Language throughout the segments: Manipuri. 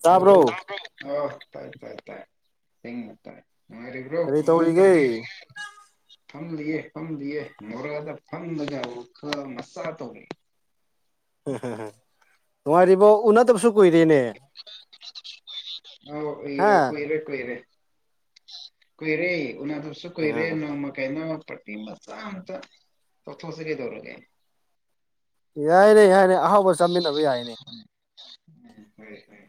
ꯇꯥꯕ꯭ꯔꯣ ꯑ ꯇꯥꯏ ꯇꯥꯏ ꯇꯥꯏ ꯍ ꯃꯠꯇꯔꯦ ꯃꯥꯕ꯭ꯔꯣ ꯀꯔꯤ ꯃꯃꯃ ꯇ ꯇꯧꯔꯤꯒꯦ ꯐꯝꯂꯤꯑꯦ ꯐꯝꯂꯤꯑꯦ ꯃꯣꯔꯥꯗ ꯐꯝꯂꯒ ꯑꯃꯨꯛ ꯈ ꯃꯆꯥ ꯇꯧꯔꯛꯦ ꯎꯝꯝ ꯅꯉꯔꯤꯕꯣ ꯎꯅ ꯇ ꯑ ꯏ ꯍꯥ ꯀꯨꯏꯔꯦ ꯀꯨꯏꯔꯦ ꯀꯣꯏ ꯔꯦ ꯑꯣꯗꯁꯨ ꯀꯣꯏ ꯔꯦ ꯎꯝ ꯅ ꯃ ꯀ ꯅ ꯄꯇꯤꯃ ꯆꯇ ꯆꯊ ꯍꯁꯤꯔꯤꯗꯧꯔꯒꯦ ꯌꯥꯏꯅꯦ ꯌꯥꯏꯅꯦ ꯑꯍꯥꯎꯕ ꯆꯥꯃꯤꯟꯅꯕ ꯌꯥꯏꯅꯦ ꯎꯝ ꯍꯣꯏ ꯍꯣꯏ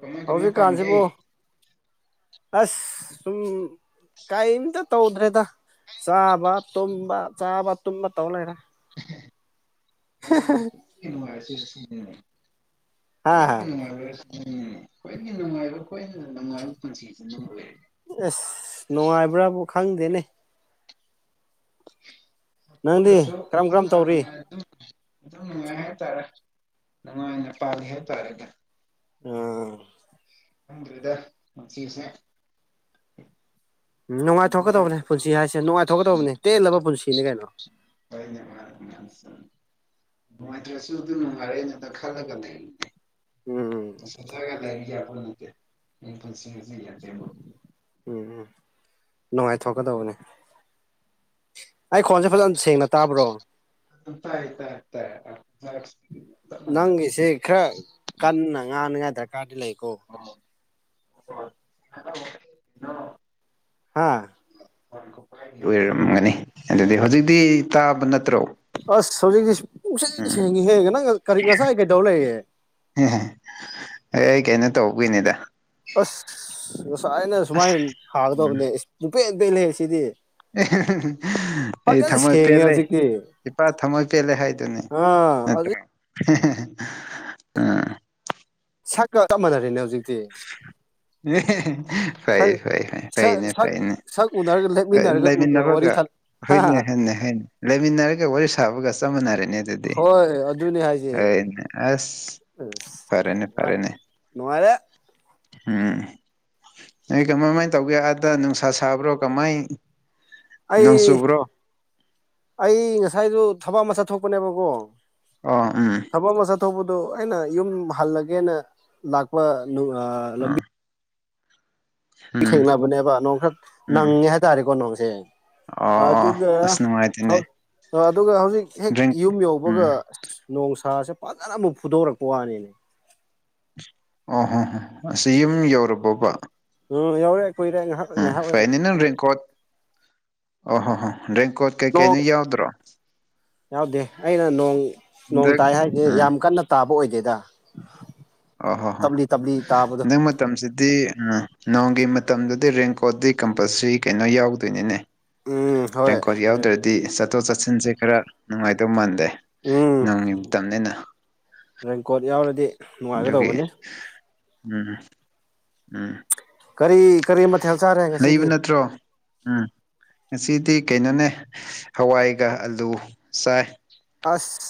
ꯀꯃꯥꯏ ꯀꯃꯥꯏ ꯄꯥꯡꯒꯦ ꯍꯧꯖꯤꯛꯀꯥꯟꯁꯤꯕꯨ ꯑꯁ ꯁ ꯀꯩꯝꯇ ꯇꯧꯗ꯭ꯔꯦꯗ ꯆꯥꯕ ꯇꯨꯝꯕ ꯆꯥꯕ ꯇꯨꯝꯕ ꯇꯧ ꯂꯩꯔꯦ ꯀ ꯍꯥ ꯀꯣꯏ ꯅꯅꯨꯡ ꯍꯥꯏꯦ ꯎꯝ ꯈ꯭ꯋꯥꯏꯗꯒꯤ ꯅꯨꯡꯉꯥꯏꯕ ꯈ꯭ꯋꯥꯏꯅ ꯅꯨꯡꯉꯥꯏꯕ ꯄꯨꯟꯁꯤꯁꯤ ꯅ ꯑꯣꯏꯔꯦ ꯑꯁ ꯅꯨꯡꯉꯥꯏꯕ꯭ꯔꯥꯕꯨ ꯈꯪꯗꯦꯅꯦ ꯅꯪꯗꯤ ꯁꯨ ꯀꯔꯝ ꯀꯔꯝ ꯇꯧꯔꯤ ꯑꯗꯨꯝ ꯅꯨꯡꯉꯥꯏ ꯍꯥꯏꯇꯥꯔꯦ ꯅꯨꯡꯉꯥꯏꯅ ꯄꯥꯜꯂꯤ ꯍꯥꯏꯇꯥꯔꯦ ꯑꯗꯨ ꯑꯥ ꯔꯤꯗꯁꯦ ꯎꯝ ꯅꯨꯡꯉꯥꯏꯊꯣꯛꯀꯗꯕꯅꯦ ꯄꯨꯟꯁꯤ ꯍꯥꯏꯁꯦ ꯅꯨꯡꯉꯥꯏꯊꯣꯛꯀꯗꯕꯅꯤ ꯇꯦꯜꯂꯕ ꯄꯨꯟꯁꯤꯅꯤ ꯀꯩꯅꯣ ꯃꯥ ꯃꯥ ꯅꯨꯡꯉꯥꯏꯇ꯭ꯔꯁꯨ ꯑꯗꯨꯝ ꯅꯨꯡꯉꯥꯏꯔꯛꯦꯩꯅꯗ ꯈꯜꯂꯒ ꯂꯩ ꯎꯝ ꯊꯒ ꯂ ꯎꯝ ꯎꯝ ꯅꯨꯡꯉꯥꯏꯊꯣꯛꯀꯗꯧꯕꯅꯤ ꯑꯩ ꯈꯣꯟꯁꯦ ꯐꯖꯅ ꯁꯦꯡꯅ ꯇꯥꯕ꯭ꯔꯣ ꯇ ꯅꯪꯒꯤꯁꯦ ꯈꯔ ꯀꯟꯅ ꯉꯥꯅꯉꯥꯏ ꯗꯔꯀꯥꯔꯗꯤ ꯂꯩꯀꯣ ꯑꯣ ꯍꯥꯥ ꯑꯣꯏꯔꯝꯒꯅꯤ ꯑꯗꯨꯗꯤ ꯍꯧꯖꯤꯛꯇꯤ ꯇꯥꯕ ꯅ ꯑꯁ ꯍꯧꯖꯤꯛꯇꯤ ꯎꯝ ꯄꯨꯡꯁꯦꯡ ꯍꯦꯡꯉꯦ ꯍꯦꯡꯉꯦ ꯅꯪ ꯀꯔꯤ ꯉꯁꯥꯏ ꯀꯩꯗꯧ ꯂꯩꯌꯦꯦ ꯎ ꯑꯩ ꯀꯩꯅꯣ ꯇꯧꯕꯣꯏꯅꯤꯗ ꯑꯁ ꯉꯁꯥꯏ ꯑꯩꯅ ꯁꯨꯃꯥꯏꯅ ꯎꯝ ꯊꯥꯒꯗꯕꯅꯦꯁ ꯅꯨꯄꯦ ꯑꯝꯇꯩ ꯂꯩ ꯁꯤꯗꯤ ꯑꯩ ꯐꯖꯅ ꯊꯝꯃꯣꯏ ꯁꯦꯡꯉꯦ ꯄꯦꯜꯂꯦ ꯍꯧꯖꯤꯛꯇꯤ ꯏꯄꯥ ꯊꯝꯃꯣꯏ ꯄꯦꯜꯂꯦ ꯍꯥꯏꯗꯨꯅꯦ ꯑꯥ ꯑꯝ ꯁꯛꯀ ꯆꯞ ꯃꯥꯟꯅꯔꯦꯅꯦ ꯍꯧꯖꯤꯛꯇꯤ ꯍ ꯐꯩ ꯁꯛ ꯐꯩ ꯐꯩ ꯐꯩꯅꯦ ꯁꯛ ꯐꯩꯅꯦ ꯁꯛ ꯎꯅꯔꯒ ꯂꯦꯞꯃꯤꯟꯅꯔꯒ ꯋꯥꯔꯤ ꯂꯩꯃꯤꯟꯅꯕꯒ ꯁꯥ ꯍꯥ ꯍꯣꯏꯅꯦ ꯍꯅꯤ ꯍꯅꯤ ꯂꯩꯃꯤꯟꯅꯔꯒ ꯋꯥꯔꯤ ꯁꯥꯕꯒ ꯆꯞꯃꯤꯅꯔꯅꯦ ꯑꯗꯨꯗꯤ ꯍꯣꯏ ꯑꯗꯨꯅꯦ ꯍꯥꯏꯁꯦ ꯐꯔꯦꯅꯦ ꯑꯁ ꯐꯔꯦꯅꯦ ꯐꯔꯦꯅꯦ ꯅꯦ ꯎꯝ ꯅꯣꯏ ꯀꯃꯥꯏꯃꯥꯏꯅ ꯇꯧꯒꯦ ꯑꯥꯗ ꯅꯨꯡꯁꯥ ꯁꯥꯕ꯭ꯔꯣ ꯀꯃꯥꯏꯅ ꯑꯩ ꯑꯩ ꯉꯁꯥꯏꯁꯨ ꯊꯕꯛ ꯑꯃ ꯆꯠꯊꯣꯛꯄꯅꯦꯕꯀꯣ ꯑꯣ ꯎꯝ ꯊꯕꯛ ꯃꯆꯥ ꯊꯣꯛꯄꯗ ꯑꯩꯅ ꯌꯨꯝ ꯍꯜꯂꯒꯦꯅ ꯂꯥꯛꯄ ꯑ ꯂꯕꯤ ꯑꯥ ꯎꯝ ꯊꯦꯡꯅꯕꯅꯦꯕ ꯅꯣꯡ ꯈꯔ ꯎꯝ ꯅꯪꯉꯦ ꯍꯥꯏꯇꯥꯔꯦꯀꯣ ꯅꯣꯡꯁꯦ ꯑꯣ ꯑꯣ ꯑꯗꯨꯗꯨꯒ ꯑꯁ ꯅꯨꯡꯉꯥꯏꯇꯦꯅꯦ ꯑꯗꯨꯒ ꯍꯧꯖꯤꯛ ꯍꯦꯛ ꯗ꯭ꯔꯤꯡ ꯌꯨꯝ ꯌꯧꯕꯒ ꯎꯝ ꯅꯣꯡꯁꯥꯁꯦ ꯐꯖꯅ ꯑꯃꯨꯛ ꯐꯨꯗꯣꯔꯛꯄ ꯋꯥꯅꯤꯅꯦ ꯑꯣ ꯍꯣ ꯍꯣ ꯑꯁꯤ ꯌꯨꯝ ꯌꯧꯔꯕꯣꯕ ꯎꯝ ꯌꯥꯎꯦ ꯑ ꯐꯥꯏꯅꯤꯅꯀꯣ ꯑꯣ ꯍꯣ ꯍꯣ ꯔꯦꯡꯀꯣꯠ ꯅꯣꯡ ꯀꯩꯀꯩꯅ ꯌꯥꯎꯗ꯭ꯔꯣ ꯌꯥꯎꯗꯦ ꯑꯩꯅ ꯅꯣꯡ ꯅꯣꯡ ꯍꯟꯗꯛ ꯇꯥꯏ ꯍꯥꯏꯁꯦ ꯎꯝ ꯌꯥꯝ ꯀꯟꯅ ꯇꯥꯕ ꯑꯣꯏꯗꯦꯗ ꯑ ꯍꯣ ꯍꯣ ꯇꯞꯂꯤ ꯇꯞꯂꯤ ꯇꯥꯕꯗꯣ ꯅꯪ ꯃꯇꯝꯁꯤꯗꯤ ꯅꯣꯡꯒꯤ ꯃꯇꯝꯗꯗꯤ ꯔꯦꯟꯀꯣꯗꯤ ꯀꯝꯄꯜꯁꯔꯤ ꯀꯩꯅꯣ ꯌꯥꯎꯗꯣꯏꯅꯤꯅꯦ ꯎꯝ ꯍꯣꯏ ꯔꯦꯡꯀꯣꯠ ꯌꯥꯎꯗ꯭ꯔꯗꯤ ꯆꯠꯊꯣꯛ ꯆꯠꯁꯤꯟꯁꯦ ꯈꯔ ꯅꯨꯡꯉꯥꯏꯗꯧ ꯃꯥꯟꯗꯦ ꯎꯝ ꯅꯪꯒꯤꯇꯅꯤꯅ ꯔꯦꯟꯀꯣꯠ ꯌꯥꯎꯔꯗꯤ ꯌꯒꯤ ꯅꯨꯡꯉꯥꯏꯒꯗꯧꯕꯅꯤ ꯎꯝ ꯎꯝ ꯀꯔꯤ ꯀꯔꯤ ꯃꯊꯦꯜ ꯆꯥꯔꯦ ꯂꯩꯕ ꯉꯁꯤꯗꯤ ꯅꯠꯇ꯭ꯔꯣ ꯎꯝ ꯉꯁꯤꯗꯤ ꯗꯤ ꯀꯩꯅꯣꯅꯦ ꯍꯋꯥꯏꯒ ꯑꯂꯨ ꯆꯥꯏ ꯑꯁ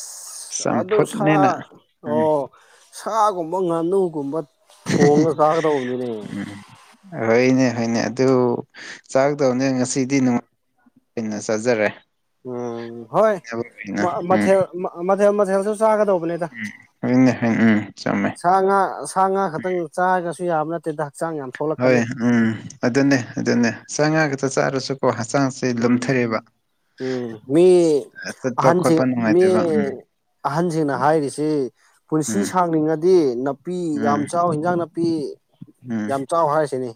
ꯑꯗꯨ ꯁꯥꯔ ꯆꯝꯐꯨꯠꯅꯦꯅ ꯎꯝ ꯑꯣ ꯁꯥꯒꯨꯝꯕ ꯉꯥꯅꯨꯒꯨꯝꯕ ꯊꯣꯡꯉ ꯆꯥꯒꯗꯧꯕꯅꯤꯅꯦ ꯎꯝ ꯍꯣꯏꯅꯦ ꯍꯣꯏꯅꯦ ꯑꯗꯨ ꯆꯥꯛꯗꯧꯅꯦ ꯉꯁꯤꯗꯤ ꯅ ꯁꯖꯔꯦ ꯎꯝ ꯍꯣꯏ ꯃ ꯃꯊ ꯃꯊ ꯃꯊꯦꯜꯁꯨ ꯆꯥꯒꯗꯧꯕꯅꯤꯗ ꯎ ꯍꯥꯏ ꯁꯥ ꯉꯥ ꯁꯥ ꯉꯥ ꯈꯛꯇꯪ ꯆꯥꯔꯒꯁꯨ ꯌꯥꯝꯅ ꯍꯣꯏ ꯎꯝ ꯑꯗꯨꯅꯦ ꯑꯗꯨꯅꯦ ꯆꯉ ꯈꯛꯇ ꯆꯥꯔꯁꯨꯀꯣ ꯍꯛꯆꯥꯡꯁꯦ ꯎꯝ ꯂꯨꯝꯊꯔꯦꯕ ꯎꯝ ꯃꯤ ꯆꯠꯄ ꯑꯍꯟꯁꯤ ꯈꯣꯠꯄ ꯃꯤ ꯅꯨꯡꯉꯥꯏꯇꯦꯕ ꯎꯝ ꯑꯍꯟꯁꯤꯡꯅ ꯍꯥꯏꯔꯤꯁꯤ ꯄꯨꯟꯁꯤ ꯎꯝ ꯁꯥꯡꯂꯤꯉꯗꯤ ꯅꯥꯄꯤ ꯌꯥꯝ ꯎꯝ ꯆꯥꯎ ꯏꯟꯖꯥꯡ ꯅꯥꯄꯤ ꯅꯨꯅꯥꯄꯤ ꯎꯝ ꯌꯥꯝ ꯆꯥꯎ ꯍꯥꯏꯔꯤꯁꯤꯅꯤ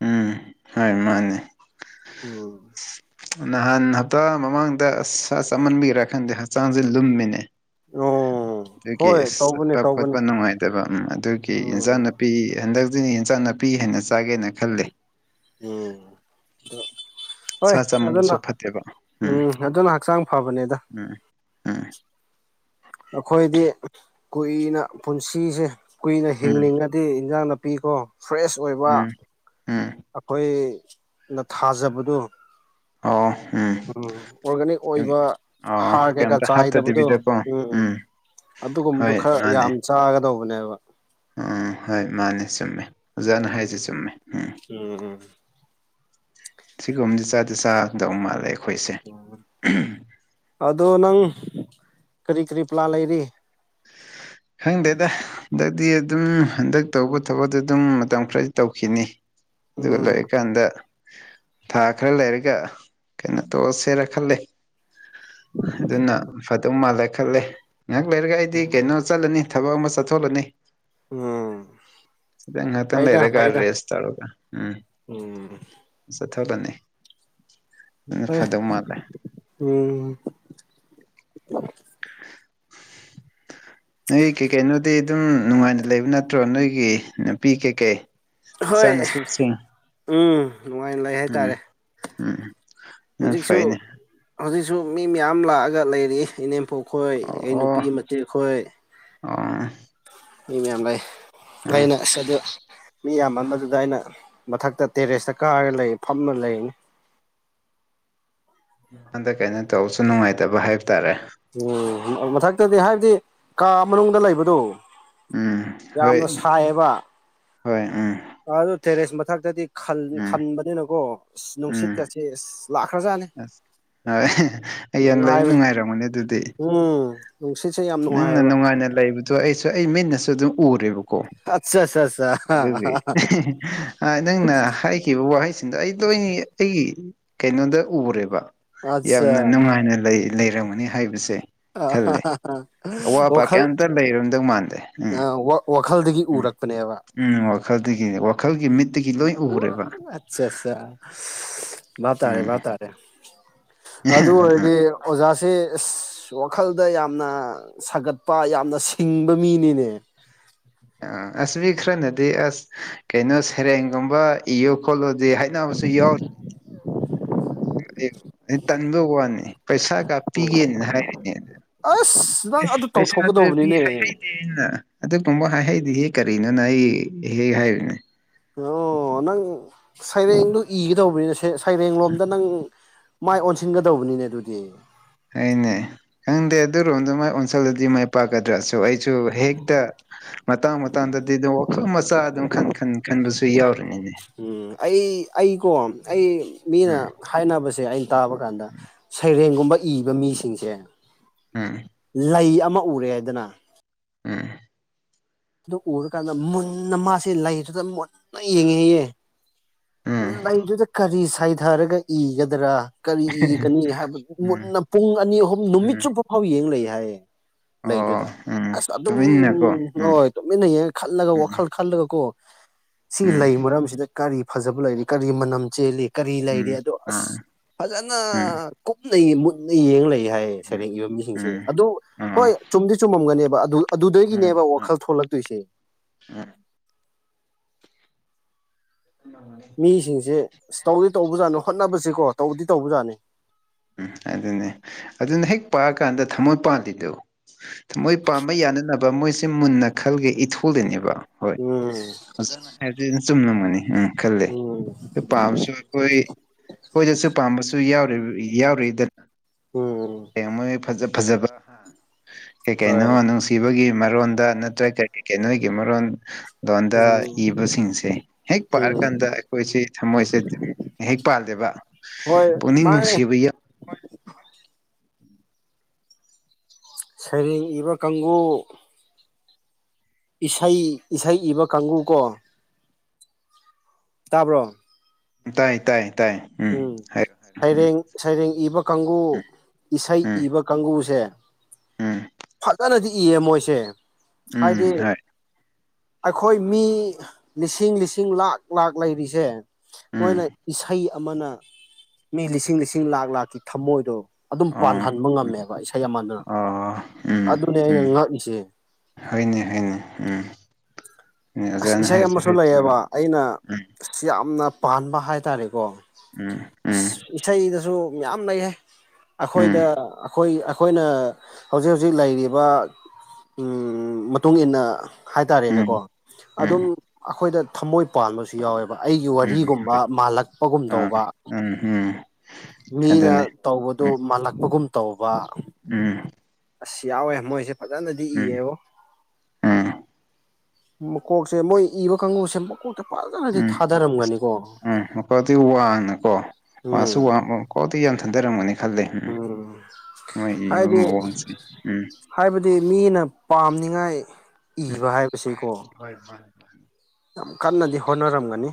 ꯎꯝ ꯍꯣꯏ ꯃꯥꯅꯦ ꯎꯝ ꯅꯍꯥꯟ ꯍꯞꯇꯥ ꯃꯃꯥꯡꯗ ꯑ ꯆꯃꯟꯕꯤꯒ꯭ꯔꯥ ꯈꯟꯗꯦ ꯍꯛꯆꯥꯡꯁꯦ ꯂꯨꯝꯃꯤꯅꯦ ꯑꯣ ꯑꯗꯨꯒꯤ ꯍꯣꯏ ꯇꯧꯕꯅꯦ ꯆꯠꯄ ꯈꯣꯠꯄ ꯇꯧꯕꯅꯦ ꯅꯨꯡꯉꯥꯏꯇꯕ ꯑꯗꯨꯒꯤ ꯎꯝ ꯏꯟꯁꯥꯡꯅꯨꯄꯤ ꯍꯟꯗꯛ ꯁꯤ ꯏꯟꯁꯥꯡ ꯅꯥꯄꯤ ꯍꯥꯏꯅ ꯆꯥꯒꯦꯅ ꯈꯜꯂꯤꯦ ꯎꯝ ꯍꯣꯏ ꯁꯥ ꯆꯃꯟꯕꯁꯨ ꯑꯗꯨꯅ ꯐꯠꯇꯦꯕ ꯎꯝ ꯑꯗꯨꯅ ꯍꯛꯆꯥꯡ ꯐꯕꯅꯦꯗ ꯎꯝ ꯑꯣꯏ ꯑꯩꯈꯣꯏꯗꯤ ꯀꯨꯏꯅ ꯄꯨꯟꯁꯤꯁꯦ ꯀꯨꯏꯅ ꯎꯝ ꯍꯤꯡꯅꯤꯡꯉꯗꯤ ꯏꯟꯖꯥꯡꯅ ꯄꯤꯀꯣ ꯐ꯭ꯔꯦꯁ ꯎꯝ ꯑꯣꯏꯕ ꯎꯝ ꯎꯝ ꯑꯩꯈꯣꯏ ꯅ ꯊꯥꯖꯕꯗꯨꯣ ꯑꯣ ꯎꯝ ꯑꯣꯔꯒꯥꯅꯤꯛ ꯑꯣꯏꯕ ꯑꯣ ꯍꯥꯔ ꯀꯩꯀꯥ ꯀꯩꯝꯇ ꯆꯥꯏꯗꯕꯗꯣ ꯍꯥꯞꯇꯗꯕꯤꯗꯀꯣ ꯎꯝ ꯑꯗꯨꯒꯨꯝꯕꯗꯨꯣ ꯍꯣꯏ ꯈꯔ ꯌꯥꯝ ꯃꯥꯅꯦ ꯆꯥꯒꯗꯧꯕꯅꯦꯕ ꯎꯝ ꯍꯣꯏ ꯃꯥꯅꯦ ꯆꯨꯝꯃꯦ ꯑꯣꯖꯥꯅ ꯍꯥꯏꯁꯦ ꯎꯝ ꯆꯨꯝꯃꯦ ꯎꯝ ꯁꯤꯒꯨꯝꯕꯗꯤ ꯆꯥꯗꯤ ꯆꯥꯗꯧ ꯃꯥꯜꯂꯦ ꯑꯩꯈꯣꯏꯁꯦ ꯑꯗꯣ ꯅꯪ ꯀꯔꯤ ꯀꯔꯤ ꯄ꯭ꯂꯥꯟ ꯂꯩꯔꯤ ꯈꯪꯗꯦꯗ ꯍꯟꯗꯛꯇꯤ ꯑꯗꯨꯝ ꯍꯟꯗꯛ ꯇꯧꯕ ꯊꯕꯛꯇꯣ ꯑꯗꯨꯝ ꯃꯇꯝ ꯈꯔꯗꯤ ꯇꯧꯈꯤꯅꯤ ꯎꯝ ꯑꯗꯨꯒꯂꯀꯗ ꯊꯥ ꯈꯔ ꯂꯩꯔꯒ ꯀꯩꯅꯣ ꯇꯧꯑꯁꯦꯔ ꯈꯂꯦ ꯑꯗꯨꯅ ꯐꯗꯧ ꯃꯥꯜꯂꯦ ꯈꯜꯂꯦ ꯉꯥꯏꯍꯥꯛ ꯂꯩꯔꯒ ꯗꯤ ꯀꯩꯅꯣ ꯆꯠꯂꯅꯤ ꯊꯕꯛ ꯑꯃ ꯆꯠꯊꯣꯛꯂꯅꯤ ꯎꯝ ꯐꯩꯗ ꯔ ꯀꯔ ꯐꯩꯗ ꯔꯦꯁꯇꯒ ꯎꯝ ꯎꯝ ꯆꯠꯊꯔꯅꯤ ꯑꯗꯨ ꯍꯣꯏ ꯐꯗꯧ ꯃꯥꯜꯂꯦ ꯎꯝ [inaudible] ꯅꯣꯏ ꯀꯩꯀꯩꯅꯣꯗꯤ ꯑꯗꯨꯝ ꯅꯨꯡꯉꯥꯏꯅ ꯂꯩꯕ ꯅꯠꯇ꯭ꯔꯣ ꯅꯣꯏꯒꯤ ꯅꯨꯄꯤ ꯀꯩꯀꯩ ꯍꯣꯏ ꯁꯅ ꯁꯁꯤꯡ ꯎꯝ ꯅꯨꯡꯉꯥꯏꯅ ꯂꯩ ꯍꯥꯏꯇꯥꯔꯦ ꯎꯝ ꯌꯥꯝ ꯍꯧꯖꯤꯛꯁꯨ ꯐꯩꯅꯦ ꯍꯧꯖꯤꯛꯁꯨ ꯃꯤ ꯃꯌꯥꯝ ꯂꯥꯛꯑꯒ ꯂꯩꯔꯤ ꯏꯅꯦꯝ ꯄꯣꯛ ꯈꯣꯏ ꯑꯩ ꯅꯨꯄꯤ ꯃꯆꯦꯛ ꯈꯣꯏ ꯑꯡ ꯃꯤ ꯃꯌꯥꯝ ꯂꯩ ꯎꯝ ꯂꯩꯅ ꯑꯁ ꯑꯗꯨ ꯃꯤ ꯌꯥꯝꯌꯥꯝ ꯑꯃ ꯑꯗꯨꯗ ꯑꯩꯅ ꯃꯊꯛꯇ ꯇꯦꯔꯦꯁꯇ ꯀꯥꯔꯒ ꯂꯩ ꯐꯝꯂꯒ ꯂꯩ ꯃꯉꯣꯟꯗ ꯀꯩꯅꯣ ꯇꯧꯕꯁꯨ ꯅꯨꯡꯉꯥꯏꯇꯕ ꯍꯥꯏꯕ ꯇꯥꯔꯦ ꯎꯝ ꯃꯊꯛꯇꯗꯤ ꯍꯥꯏꯕꯗꯤ ꯀꯥ ꯃꯅꯨꯡꯗ ꯂꯩꯕꯗꯣ ꯎꯝ ꯍꯣꯏ ꯌꯥꯝꯅ ꯁꯥꯏꯌꯦꯕ ꯍꯣꯏ ꯎꯝ ꯑꯗꯨ ꯇꯦꯔꯦꯁ ꯃꯊꯛꯇꯗꯤ ꯈꯜ ꯎꯝ ꯈꯟꯕꯅꯤꯅꯀꯣ ꯏꯁ ꯎꯝ ꯃꯅꯨꯡꯁꯤꯠꯀꯁꯦ ꯏꯁ ꯑꯁ ꯍꯣꯏ ꯑꯩ ꯌꯥꯝ ꯂꯩꯕ ꯅꯨꯡꯉꯥꯏꯕꯅꯤ ꯅꯨꯡꯉꯥꯏꯔꯝꯒꯅꯤ ꯑꯗꯨꯗꯤ ꯎꯝ ꯅꯨꯡꯁꯤꯠꯁꯦ ꯌꯥꯝ ꯅꯪꯅ ꯅꯨꯡꯉꯥꯏꯌꯦꯕ ꯅꯨꯡꯉꯥꯏꯅ ꯂꯩꯕꯗꯣ ꯑꯩꯁꯨ ꯑꯩ ꯃꯤꯟꯅꯁꯨ ꯑꯗꯨꯝ ꯎꯔꯦꯕꯀꯣ ꯑꯠꯆꯥꯆꯥ ꯑꯗꯨꯒꯤ ꯅꯪꯅ ꯍꯥꯏꯈꯤꯕ ꯋꯥꯍꯩꯁꯤꯡꯗꯣ ꯑꯩ ꯂꯣꯏꯅꯤ ꯑꯩꯒꯤ ꯀꯩꯅꯣꯗ ꯎꯔꯦꯕ ꯑꯠꯆꯥ ꯌꯥꯝꯅ ꯅꯨꯡꯉꯥꯏꯅ ꯂꯩꯔꯝꯒꯅꯤ ꯍꯥꯏꯕꯁꯦ ꯑ ꯍꯥ ꯈꯜꯂꯦ ꯍꯥꯥ ꯍꯥ ꯑꯋꯥꯕ ꯀꯩꯝꯇ ꯂꯩꯔꯝꯗꯧ ꯃꯥꯟꯗꯦ ꯎꯝ ꯋꯥꯈꯜ ꯋꯥꯈꯜꯗꯒꯤ ꯎꯝ ꯎꯔꯛꯄꯅꯦꯕ ꯎꯝ ꯋꯥꯈꯜꯗꯒꯤꯅꯤ ꯋꯥꯈꯜꯒꯤ ꯃꯤꯠ ꯑꯆꯥ ꯑꯆꯥ ꯚꯞ ꯇꯥꯔꯦ ꯎꯝ ꯇꯥꯔꯦ ꯑꯗꯨ ꯑꯣꯏꯔꯗꯤ ꯑꯣꯖꯥꯥꯁ ꯏꯁ ꯋꯥꯈꯜꯗ ꯌꯥꯝꯅ ꯁꯥꯒꯠꯄ ꯌꯥꯝꯅ ꯁꯤꯡꯕ ꯃꯤꯅꯤꯅꯦ ꯑ ꯑꯁꯕꯤ ꯈꯔꯅꯗꯤ ꯑꯁ ꯀꯩꯅꯣ ꯁꯩꯔꯦꯡꯒꯨꯝꯕ ꯏꯌꯣ ꯈꯣꯠꯂꯣ ꯍꯥꯏꯅꯕꯁꯨ ꯌꯥꯎꯔꯤ ꯑꯩ ꯑꯩ ꯇꯟꯗꯧ ꯋꯥꯅꯤ ꯄꯩꯁꯥꯒ ꯄꯤꯒꯦꯅ ꯍꯥꯏꯔꯤꯅꯦ ꯑꯁ ꯅꯪ ꯏꯁ ꯑꯗꯨ ꯄꯩꯁꯥꯦ ꯐꯤ ꯇꯧꯊꯣꯛꯀꯗꯧꯕꯅꯤꯅꯦ ꯍꯥꯏꯩꯗꯦ ꯏꯅ ꯑꯗꯨ ꯇꯨꯝꯕ ꯍꯥꯏꯍꯩꯗꯤ ꯍ ꯀꯔꯤꯅꯣꯅ ꯑꯩ ꯍꯦꯛ ꯍꯥꯏꯔꯤꯅꯦ ꯑꯣ ꯅꯪ ꯁꯩꯔꯦꯡꯗꯣ ꯏꯒꯗꯧꯕꯅꯤꯅ ꯁꯦ ꯁꯩꯔꯦꯡ ꯂꯣꯝꯗ ꯅꯪ ꯃꯥꯏ ꯑꯣꯟꯁꯤꯟꯒꯗꯧꯕꯅꯤꯅꯦ ꯑꯗꯨꯗꯤ ꯍꯩꯅꯦ ꯈꯪꯗꯦ ꯑꯗꯨꯔꯣꯝꯗ ꯃꯥꯏ ꯑꯣꯟꯁꯜꯗꯗꯤ ꯃꯥꯏ ꯄꯥꯛꯀꯗ꯭ꯔꯥꯁꯨ ꯑꯩꯁꯨ ꯍꯦꯛꯇ ꯃꯇꯥꯡ ꯃꯇꯥꯡꯗ ꯑꯗꯨ ꯋꯥꯈꯜ ꯃꯆꯥ ꯑꯗꯨꯝ ꯈꯟ ꯈꯟ ꯈꯟꯕꯁꯨ ꯌꯥꯎꯔꯤꯅꯤꯅꯦ ꯎꯝ ꯑꯩ ꯑꯩꯀꯣ ꯑꯩ ꯃꯤꯅ ꯎꯝ ꯍꯥꯏꯅꯕꯁꯦ ꯑꯩꯅ ꯇꯥꯕ ꯀꯥꯟꯗ ꯁꯩꯔꯦꯡ ꯨꯝꯕ ꯏꯕ ꯃꯤꯁꯤꯡꯁꯦ ꯎꯝ ꯂꯩ ꯑꯃ ꯎꯔꯦ ꯍꯥꯏꯗꯅ ꯑ ꯑꯗꯨ ꯎꯔꯀꯥꯟꯗ ꯃꯨꯟꯅ ꯃꯥꯁꯦ ꯂꯩꯗꯨꯗ ꯃꯨꯟꯅ ꯌꯦꯡꯉꯤꯌꯦ ꯎꯝ ꯂꯩꯗꯨꯗ ꯀꯔꯤ ꯁꯥꯏꯊꯔꯒ ꯏꯒꯗ꯭ꯔꯥ ꯀꯔꯤ ꯏꯒꯅꯤ ꯍꯥꯏꯕ ꯎꯝ ꯃꯨꯟꯅ ꯄꯨꯡ ꯑꯅꯤ ꯑꯍꯨꯝ ꯅꯨꯃꯤꯠ ꯎꯝ ꯆꯨꯞꯄ ꯐꯥꯎ ꯌꯦꯡ ꯂꯩ ꯍꯥꯏꯌꯦ ꯑꯣ ꯂꯩꯗꯨꯗ ꯎꯝ ꯑꯁ ꯑꯗꯨꯝ ꯇꯨꯃꯤꯟꯅꯀꯣ ꯎꯝ ꯍꯣꯏꯣꯏ ꯇꯨꯃꯤꯟꯅ ꯌꯦꯡꯂꯒ ꯈꯜꯂꯒ ꯎꯝ ꯋꯥꯈꯜ ꯈꯜꯂꯒ ꯀꯣ ꯁꯤꯒꯤ ꯎꯝ ꯂꯩ ꯃꯔꯝꯁꯤꯗ ꯀꯔꯤ ꯐꯖꯕ ꯂꯩꯔꯤ ꯀꯔꯤ ꯃꯅꯝ ꯆꯦꯜꯂꯤ ꯀꯔꯤ ꯎꯝ ꯂꯩꯔꯤ ꯑꯗꯣ ꯑꯁ ꯑꯥ ꯐꯖꯅ ꯎꯝ ꯀꯨꯞꯅ ꯃꯨꯟꯅ ꯌꯦꯡ ꯂꯩꯌꯦ ꯍꯥꯏ ꯎꯝ ꯁꯩꯔꯦꯡꯏꯕ ꯃꯤꯁꯤꯡꯁꯦ ꯎꯝ ꯑꯗꯨ ꯑꯥ ꯍꯣꯏ ꯆꯨꯝꯗꯤ ꯆꯨꯝꯃꯝꯒꯅꯦꯕ ꯑꯗꯨ ꯑꯗꯨꯗꯒꯤꯅꯦꯕ ꯑꯥ ꯋꯥꯈꯜ ꯊꯣꯛꯂꯛ ꯎꯝ ꯎꯝ ꯃꯤꯁꯤꯡꯁꯦ ꯇꯧꯗꯤ ꯇꯧꯕꯖꯥꯠꯅꯤ ꯍꯣꯠꯅꯕꯁꯤꯦꯀꯣ ꯇꯧꯗꯤ ꯇꯧꯕꯖꯥꯠꯅꯤ ꯎꯝ ꯑꯗꯨꯅꯦ ꯑꯗꯨꯅ ꯍꯦꯛ ꯄꯥꯛꯑꯀꯥꯟꯗ ꯊꯃꯣꯏ ꯄꯥꯟꯗꯤꯗꯨ ꯃꯣꯏ ꯄꯥꯝꯕ ꯌꯥꯅꯅꯕ ꯃꯣꯏꯁꯦ ꯃꯨꯟꯅ ꯈꯜꯒꯦ ꯏꯊꯣꯜꯂꯤꯅꯦꯕ ꯍꯣꯏ ꯎꯝ ꯑꯣꯖꯥꯅ ꯍꯥꯏꯔ ꯆꯨꯝꯂꯝꯒꯅꯤ ꯎꯝ ꯈꯂꯦ ꯎꯝ ꯄꯥꯝꯁꯨ ꯑꯩꯈꯣꯏ ꯑꯩꯈꯣꯏꯗꯁꯨ ꯄꯥꯝꯕꯁꯨ ꯌꯥꯎ ꯌꯥꯎꯔꯤꯗ ꯎꯝ ꯐꯖꯕ ꯀꯩ ꯀꯩꯅꯣ ꯍꯣꯏ ꯅꯨꯡꯁꯤꯕꯒꯤ ꯃꯔꯣꯟꯗ ꯅꯠꯇ꯭ꯔꯒ ꯀꯔꯤ ꯀꯔꯤ ꯅꯣꯏꯒꯤ ꯃꯔꯣꯟ ꯂꯣꯟꯗ ꯎꯝ ꯏꯕꯁꯤꯡꯁꯦ ꯍꯦꯛ ꯎꯝ ꯄꯥꯔꯀꯥꯟꯗ ꯑꯩꯈꯣꯏꯁꯤ ꯊꯃꯣꯏꯁꯦ ꯑꯗꯨꯝ ꯍꯦꯛ ꯄꯥꯜꯜꯂꯤꯦꯕ ꯍꯣꯏ ꯄꯨꯅꯤꯡ ꯃꯥꯅꯦ ꯅꯨꯡꯁꯤꯕ ꯌꯥ ꯁꯩꯔꯦꯡ ꯏꯕ ꯀꯥꯡꯕꯨ ꯏꯁꯩ ꯏꯁꯩ ꯏꯕ ꯀꯥꯡꯕꯨ ꯀꯣ ꯇꯥꯕ꯭ꯔꯣ ꯇꯥꯏ ꯇꯥꯏ ꯇꯥꯏ ꯎꯝ ꯍꯥꯏꯔꯣ ꯍꯥꯏꯔꯣ ꯎꯝ ꯁꯩꯔꯦꯡ ꯁꯩꯔꯦꯡ ꯏꯕ ꯀꯥꯡꯒꯨ ꯎꯝ ꯏꯁꯩ ꯎꯝ ꯏꯕ ꯀꯥꯡꯒꯨꯁꯦ ꯎꯝ ꯐꯖꯅꯗꯤ ꯏꯌꯦ ꯃꯣꯏꯁꯦ ꯍꯥꯏꯗꯤ ꯎꯝ ꯍꯣꯏ ꯑꯩꯈꯣꯏ ꯃꯤ ꯂꯤꯁꯤꯡ ꯂꯤꯁꯤꯡ ꯂꯥꯛ ꯂꯥꯛ ꯂꯩꯔꯤꯁꯦ ꯃꯣꯏꯅ ꯎꯝ ꯏꯁꯩ ꯑꯃꯅ ꯃꯤ ꯂꯤꯁꯤꯡ ꯂꯤꯁꯤꯡ ꯂꯥꯛ ꯂꯥꯛꯀꯤ ꯊꯝꯃꯣꯏꯗꯣ ꯑꯗꯨꯝ ꯑꯣ ꯄꯥꯟꯍꯟꯕ ꯉꯝꯃꯦꯕ ꯏꯁꯩ ꯑꯃꯃꯅ ꯑꯣ ꯑꯗꯨꯅꯦ ꯑꯩꯅ ꯉꯛꯏꯁꯦ ꯍꯅꯦ ꯍꯅꯦ ꯎꯝ ꯑꯁ ꯑꯣꯖꯥꯅ ꯏꯁꯩ ꯍꯥꯏꯔꯁꯨ ꯑꯃꯁꯨ ꯍꯣꯏ ꯆꯨꯝꯃꯦ ꯂꯩꯌꯦꯕ ꯑꯩꯅ ꯑ ꯎꯝ ꯌꯥꯝꯅ ꯄꯥꯟꯕ ꯍꯥꯏꯇꯥꯔꯦꯀꯣ ꯎꯝ ꯎꯝ ꯁꯨ ꯌꯥꯝꯌꯥꯝ ꯂꯩ ꯍꯥꯏ ꯑꯩꯈꯣꯏꯗ ꯎꯝ ꯑꯩꯈꯣꯏ ꯑꯩꯈꯣꯏꯅ ꯍꯧꯖꯤꯛ ꯍꯧꯖꯤꯛ ꯂꯩꯔꯤꯕ ꯃꯇꯨꯡ ꯏꯟꯅ ꯎꯝ ꯍꯥꯏꯇꯥꯔꯦꯅꯦꯀꯣ ꯑꯗꯨꯝ ꯎꯝ ꯑꯩꯈꯣꯏꯗ ꯊꯝꯃꯣꯏ ꯄꯥꯟꯕꯁꯨ ꯌꯥꯎꯋꯦꯕ ꯑꯩꯒꯤ ꯎꯝ ꯋꯥꯔꯤꯒꯨꯝꯕ ꯍꯣꯏ ꯃꯥꯜꯂꯛꯄꯒꯨꯝ ꯑꯥ ꯇꯧꯕ ꯎꯝ ꯎꯝ ꯃꯤꯅ ꯑꯗꯨꯅꯦ ꯇꯧꯕꯗꯨ ꯎꯝ ꯃꯥꯜꯂꯛꯄꯒꯨꯝ ꯇꯧꯕ ꯎꯝ ꯑꯁ ꯌꯥꯎꯋꯦ ꯃꯣꯏꯁꯦ ꯐꯖꯅꯗꯤ ꯎꯝ ꯏꯌꯦꯕ ꯎꯝ ꯃꯀꯣꯛꯁꯦ ꯃꯣꯏ ꯏꯕ ꯀꯥꯡꯒꯨꯁꯦ ꯃꯀꯣꯛ ꯎꯝ ꯎꯝ ꯃꯈꯗꯤ ꯋꯥꯡꯅꯀꯣꯁꯨ ꯎꯝ ꯋꯥ ꯁꯤ ꯌꯥꯝ ꯊꯟꯊꯔꯝꯒꯅꯤ ꯈꯂꯦ ꯎꯝ ꯃꯣꯏ ꯏꯕ ꯍꯥꯏꯗꯤ ꯃꯑꯣꯡꯁꯦ ꯎꯝ ꯍꯥꯏꯕꯗꯤ ꯃꯤꯅ ꯄꯥꯝꯅꯤꯉꯥꯏ ꯎꯝ ꯏꯕ ꯍꯥꯏꯕꯁꯤꯀꯣ ꯍꯣꯏ ꯃꯥꯅꯦ ꯃꯥꯅꯦ ꯌꯥꯝ ꯀꯟꯅꯗꯤ ꯍꯣꯠꯅꯔꯝꯒꯅꯤ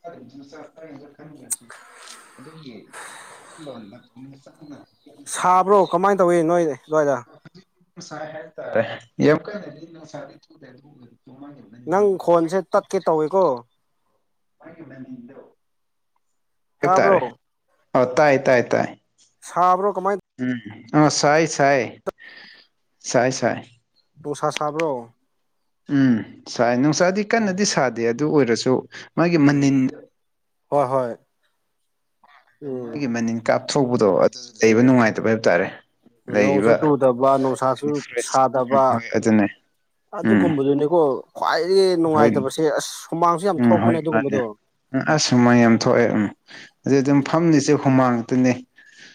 ꯈ ꯑꯗꯨ ꯌꯦ ꯂ ꯂ ꯁꯥꯕ꯭ꯔꯣ ꯀꯃꯥꯏꯅ ꯇꯧꯏꯤ ꯅꯣꯏ ꯅꯣꯏꯏꯔ ꯁ ꯍꯦ ꯇꯔꯦ ꯌꯕ ꯀꯥꯏ ꯁ ꯆ ꯅꯪ ꯈꯣꯟꯁꯦ ꯇꯠꯀꯦ ꯇꯧꯋꯤꯀꯣ ꯋꯥ ꯀꯕꯅꯤ ꯏꯗꯣ ꯇꯥꯕ꯭ꯔꯣ ꯍ ꯇꯥꯏ ꯇꯥꯏ ꯇꯥꯏ ꯁꯥꯕ꯭ꯔꯣ ꯀꯃꯥꯏꯅ ꯑ ꯆꯥꯏ ꯆꯥꯏ ꯆꯥꯏ ꯆꯥꯏ ꯗꯣꯁꯥ ꯁꯥꯕ꯭ꯔꯣ ꯎꯝ ꯁꯥꯏ ꯅꯨꯡꯁꯥꯗꯤ ꯎꯝ ꯀꯟꯅꯗꯤ ꯁꯥꯗꯦ ꯑꯗꯨ ꯑꯣꯏꯔꯁꯨ ꯃꯥꯒꯤ ꯃꯅꯤꯟ ꯎꯝ ꯍꯣꯏ ꯍꯣꯏ ꯎꯝ ꯃꯣꯏꯒꯤ ꯃꯅꯤꯟ ꯀꯥꯞꯊꯣꯛꯄꯗꯣ ꯑꯗꯨ ꯂꯩꯕ ꯎꯝ ꯅꯨꯡꯉꯥꯏꯇꯕ ꯍꯥꯏꯕ ꯇꯥꯔꯦ ꯅꯣꯡꯁꯨ ꯂꯩꯔꯤꯕ ꯇꯨꯗꯕ ꯅꯨꯡꯁꯥꯁꯨ ꯐ꯭ꯔꯦꯁ ꯎꯝ ꯁꯥꯗꯕ ꯍꯣꯏ ꯑꯗꯨꯅꯦ ꯎꯝ ꯑꯗꯨꯒꯨꯝꯕꯗꯨꯅꯤꯀꯣ ꯈ꯭ꯋꯥꯏꯗꯒꯤ ꯍꯣꯏ ꯅꯨꯡꯉꯥꯏꯇꯕꯁꯦ ꯑꯁ ꯁꯨꯃꯥꯡꯁꯨ ꯌꯥꯝ ꯊꯣꯛꯄꯅꯦ ꯑꯗꯨꯒꯨꯝꯕꯗꯣ ꯎ ꯑꯁꯨꯃꯥꯏ ꯌꯥꯝ ꯊꯣꯛꯑꯦ ꯎꯝ ꯑꯗꯨ ꯑꯗꯨꯝ ꯎꯝ ꯐꯝꯅꯤꯁꯦ ꯍꯨꯃꯥꯡ ꯑꯗꯨꯅꯦ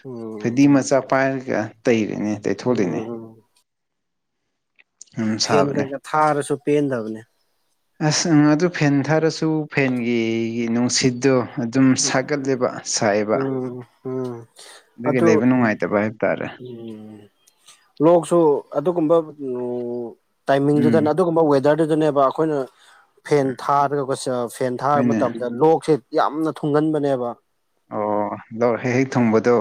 ꯎꯝ ꯐꯩꯗꯤ ꯃꯆꯥ ꯄꯥꯏꯔꯒ ꯇꯩꯔꯤꯅꯦ ꯇꯩꯊꯣꯛꯂꯤꯅꯦ ꯎꯝ ꯌꯥꯝ ꯐꯦꯟ ꯁꯥꯕꯅꯦ ꯀꯩꯀꯥ ꯊꯥꯔꯁꯨ ꯄꯦꯟꯗꯕꯅꯦ ꯑꯁ ꯎꯪ ꯑꯗꯨ ꯐꯦꯟ ꯊꯥꯔꯁꯨ ꯐꯦꯟꯒꯤ ꯅꯨꯡꯁꯤꯠꯇꯣ ꯑꯗꯨꯝ ꯁꯥꯒꯠꯂꯦꯕ ꯁꯥꯏꯑꯦꯕ ꯎꯝ ꯎꯝ ꯑꯗꯨꯒꯤ ꯑꯗꯨ ꯂꯩꯕ ꯅꯨꯡꯉꯥꯏꯇꯕ ꯍꯥꯏꯕ ꯇꯥꯔꯦ ꯎꯝ ꯂꯣꯛꯁꯨ ꯑꯗꯨꯒꯨꯝꯕ ꯎꯝ ꯇꯥꯏꯃꯤꯡꯗꯨꯗꯅ ꯑꯗꯨꯒꯨꯝꯕ ꯋꯦꯗꯔꯗꯨꯗꯅꯦꯕ ꯑꯩꯈꯣꯏꯅ ꯐꯦꯟ ꯊꯥꯔꯒ ꯐꯦꯟ ꯊꯥꯕ ꯍꯣꯏꯅꯦ ꯃꯇꯝꯗ ꯂꯣꯛꯁꯦ ꯌꯥꯝꯅ ꯊꯨꯡꯒꯟꯕꯅꯦꯕ꯫ ꯑꯣ ꯂꯧ ꯍꯦꯛ ꯍꯦꯛ ꯊꯨꯡꯕꯗꯣ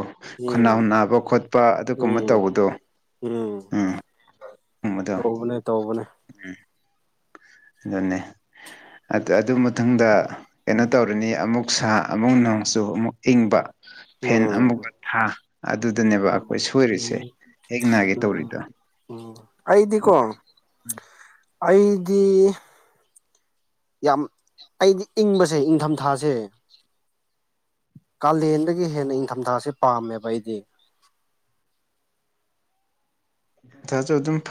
ꯈꯨꯅꯥ ꯎꯝ ꯍꯨꯟꯅꯕ ꯈꯣꯠꯄ ꯑꯗꯨꯒꯨꯝꯕ ꯎꯝ ꯇꯧꯕꯗꯣ ꯎꯝ ꯒꯨꯝꯕꯗꯣ ꯇꯧꯕꯅꯦ ꯇꯧꯕꯅꯦ ꯑꯗꯨꯅꯦꯦ ꯑꯗꯨ ꯃꯇꯨꯡꯊꯗ ꯀꯩꯅꯣ ꯇꯧꯔꯅꯤ ꯑꯃꯨꯛ ꯁꯥ ꯑꯃꯨꯛ ꯅꯣꯡꯆꯨ ꯑꯃꯨꯛ ꯏꯪꯕ ꯐꯦꯟ ꯎꯝ ꯑꯃꯨꯛꯀ ꯊꯥ ꯑꯗꯨꯗꯅꯦꯕ ꯑꯩꯈꯣꯏ ꯁꯣꯏꯔꯤꯁꯦ ꯍꯦꯛ ꯅꯥꯒꯦ ꯇꯧꯔꯤꯗꯣ ꯎ ꯑꯩꯗꯤ ꯀꯣ ꯎ ꯑꯩꯗꯤ ꯌꯥꯝ ꯑꯩꯗꯤ ꯏꯪꯕꯁꯦ ꯏꯪꯊꯝꯊꯥꯁꯦ ꯀꯥꯂꯦꯟꯗꯒꯤ ꯍꯦꯟꯅ ꯏꯪꯊꯝꯊꯥꯁꯦ ꯄꯥꯝꯃꯦꯕ ꯑꯩꯗꯤ [unintelligible] ꯊ ꯆ ꯑꯗꯨꯝ ꯐꯥꯏ